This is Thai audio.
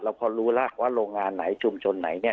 พอรู้แล้วว่าโรงงานไหนชุมชนไหนเนี่ย